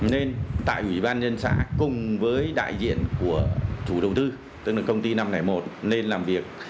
nên tại ủy ban nhân xã cùng với đại diện của chủ đầu tư tức là công ty năm trăm linh một lên làm việc